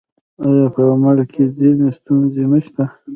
آیا په عمل کې ځینې ستونزې نشته؟